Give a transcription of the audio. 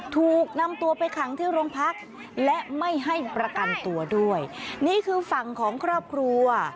ถูกนำตัวไปขังที่โรงพักและไม่ให้ประกันตัวด้วยนี่คือฝั่งของครอบครัว